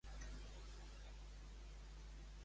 En terra caiga i mal no faça.